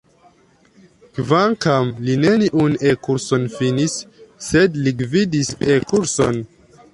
Kvankam li neniun E-kurson finis, sed li gvidis E-kurson.